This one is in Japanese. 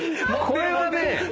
これはね